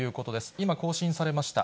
今、更新されました。